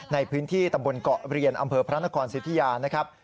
ในพื้นที่ตำบลเกาะเรียนอำเภอพระนครสิทธิยานะครับ